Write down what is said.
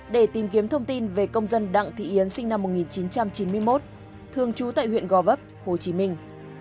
để tìm kiếm thông tin về công dân đặng thị yến sinh năm một nghìn chín trăm chín mươi một thường trú tại huyện gò vấp hồ chí minh